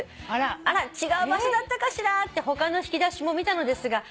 「あらっ違う場所だったかしらって他の引き出しも見たのですがない！」